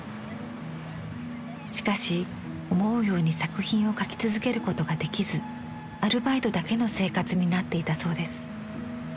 しかし思うように作品を描き続けることができずアルバイトだけの生活になっていたそうです。